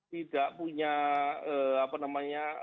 tidak punya apa namanya